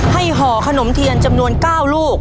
ห่อขนมเทียนจำนวน๙ลูก